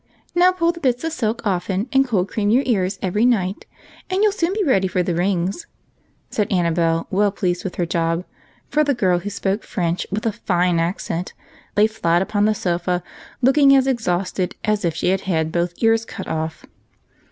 Now pull the bits of silk often, and cold cream your ears every night, and you '11 soon be ready for the rings," said Annabel, well pleased with her job, for the girl who spoke French with " a fine, accent " lay fiat upon the sofa, looking as exhausted as if she had had both ears cut off.